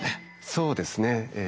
そうですねええ。